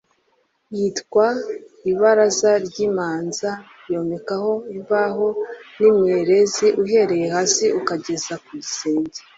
ryitwa ibaraza ry’imanza Yomekaho imbaho z’imyerezi uhereye hasi ukageza mu gisenge